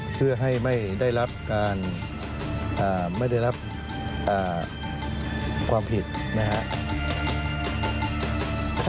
เพื่อให้ไม่ได้รับการไม่ได้รับความผิดนะครับ